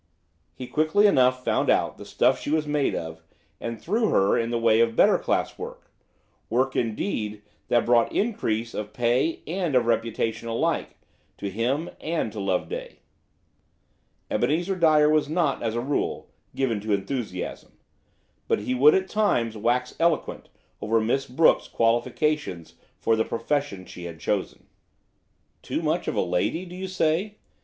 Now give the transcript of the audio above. He quickly enough found out the stuff she was made of, and threw her in the way of better class work–work, indeed, that brought increase of pay and of reputation alike to him and to Loveday. Ebenezer Dyer was not, as a rule, given to enthusiasm; but he would at times wax eloquent over Miss Brooke's qualifications for the profession she had chosen. "Too much of a lady, do you say?"